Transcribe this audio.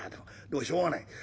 でもしょうがない。